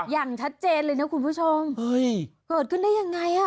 อย่างชัดเจนเลยนะคุณผู้ชมเฮ้ยเกิดขึ้นได้ยังไงอ่ะ